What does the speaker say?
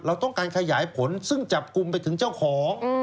เราต้องการขยายผลซึ่งจับกลุ่มไปถึงเจ้าของ